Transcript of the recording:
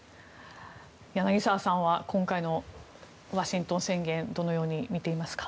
柳澤さんは今回のワシントン宣言どのように見ていますか？